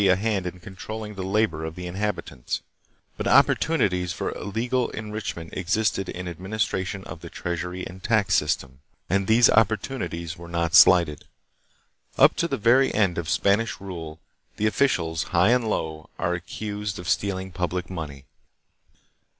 a hand in controlling the labor of the inhabitants; but opportunities for illegal enrichment existed in the ad ministration of the treasury and tax system, and these opportunities were not slighted. Up to the very end of Spanish rule the officials, high and low, are accused of stealing public money.